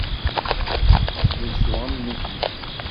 Tettlusu am nutni.